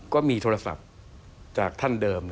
ก็มีโทรศัพท์จากท่านเดิม